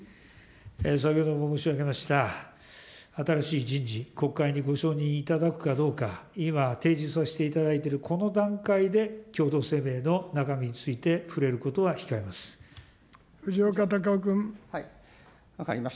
先ほども申し上げました、新しい人事、国会にご承認いただくかどうか、今、提示させていただいているこの段階で、共同声明の中身について触れることは控えます。